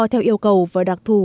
theo yêu cầu và đặc thù